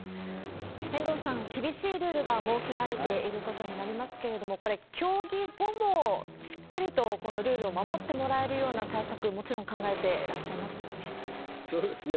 遠藤さん、厳しいルールが設けられていることになりますけれども、これ、競技後もしっかりとこのルールを守ってもらえるような対策、もちろん考えてらっしゃいますよね。